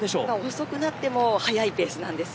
遅くなっても速いペースです。